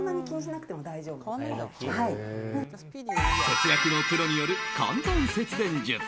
節約のプロによる簡単節電術。